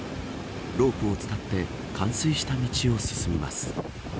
ロープを伝って冠水した道を進みます。